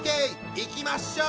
いきましょう！